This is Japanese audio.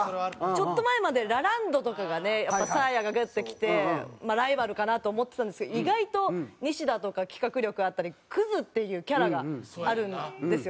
ちょっと前までラランドとかがねサーヤがグッてきてライバルかなと思ってたんですけど意外とニシダとか企画力あったりクズっていうキャラがあるんですよ。